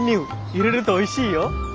入れるとおいしいよ。